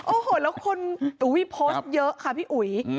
โอ้โหแล้วคนอุ๊ยโพสต์เยอะค่ะพี่อุ๋ย